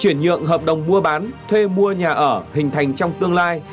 chuyển nhượng hợp đồng mua bán thuê mua nhà ở hình thành trong tương lai